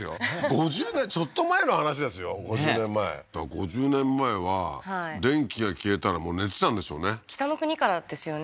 ５０年ちょっと前の話ですよ５０年前だから５０年前は電気が消えたらもう寝てたんでしょうね北の国からですよね